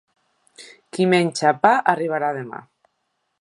Qui menja pa arribarà a demà.